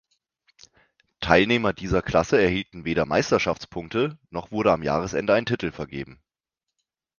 Teilnehmer dieser Klasse erhielten weder Meisterschaftspunkte, noch wurde am Jahresende ein Titel vergeben.